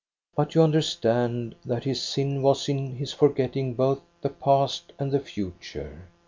" But you understand that his sin was in his for getting both the past and the future.